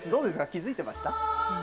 気付いてました？